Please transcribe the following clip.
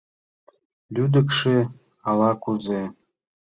— Лӱдыкшӧ ала-кузе...